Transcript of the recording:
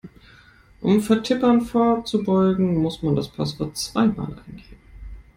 Um Vertippern vorzubeugen, muss man das Passwort zweimal eingeben.